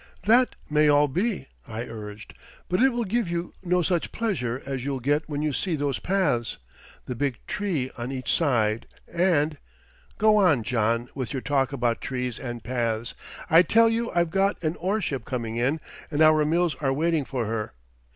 "That may all be," I urged, "but it will give you no such pleasure as you'll get when you see those paths the big tree on each side and " "Go on, John, with your talk about trees and paths. I tell you I've got an ore ship coming in and our mills are waiting for her."